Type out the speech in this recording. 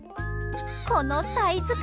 このサイズ感！